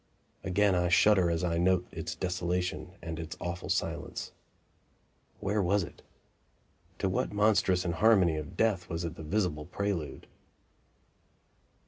Again I shudder as I note its desolation and its awful silence. Where was it? To what monstrous inharmony of death was it the visible prelude?